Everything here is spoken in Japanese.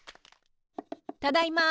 ただいま。